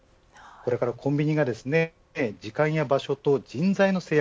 これから、コンビニが時間や場所、人材の制約